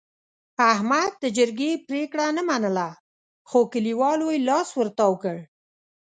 احمد د جرګې پرېګړه نه منله، خو کلیوالو یې لاس ورتاو کړ.